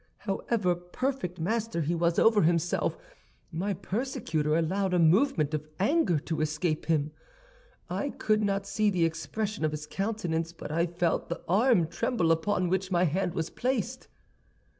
"However perfect master he was over himself, my persecutor allowed a movement of anger to escape him. I could not see the expression of his countenance, but I felt the arm tremble upon which my hand was placed.